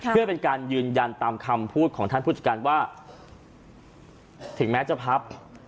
เพื่อเป็นการยืนยันตามคำพูดของท่านผู้จัดการว่าถึงแม้จะพับ